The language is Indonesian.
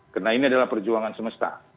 karena ini adalah perjuangan semesta